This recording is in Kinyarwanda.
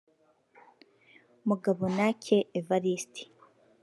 Mugabonake Evariste